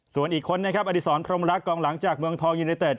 ส่วนอีกคนนะครับอดิษรพรหมลักษณ์กองหลังจากเมืองทองยูนิเตอร์เตอร์